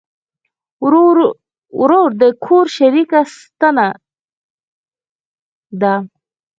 ورور د کور شریکه ستنه ده.